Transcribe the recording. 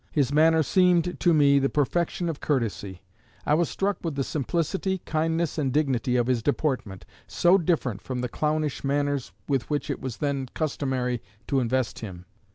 His manner seemed to me the perfection of courtesy. I was struck with the simplicity, kindness, and dignity of his deportment, so different from the clownish manners with which it was then customary to invest him.